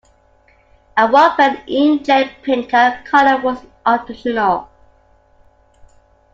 A one-pen inkjet printer, color was optional.